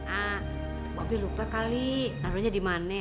ah mbak be lupa kali taruhnya di mana ya